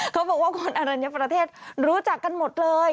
เขาบอกว่าคนอรัญญประเทศรู้จักกันหมดเลย